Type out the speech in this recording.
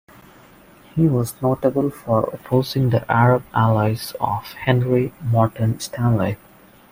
He was notable for opposing the Arab allies of Henry Morton Stanley.